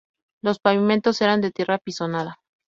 Los pavimentos eran de tierra apisonada.